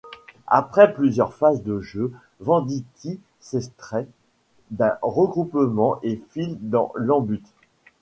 Après plusieurs phases de jeu, Venditti s'extrait d'un regroupement et file dans l'en-but.